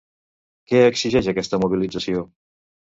Què exigeix aquesta mobilització?